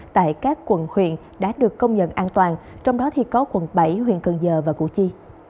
tại các quận huyện đã được công nhận an toàn trong đó có quận bảy huyện cần giờ và củ chi